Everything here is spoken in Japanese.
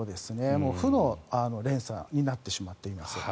もう負の連鎖になってしまっています。